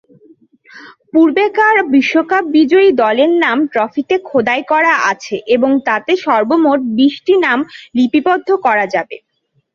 পূর্বেকার বিশ্বকাপ বিজয়ী দলের নাম ট্রফিতে খোদাই করা আছে এবং তাতে সর্বমোট বিশটি নাম লিপিবদ্ধ করা যাবে।